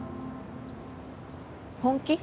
本気？